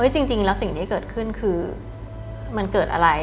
จริงแล้วสิ่งที่เกิดขึ้นคือมันเกิดอะไร